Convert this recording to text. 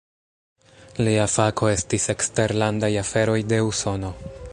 Lia fako estis eksterlandaj aferoj de Usono.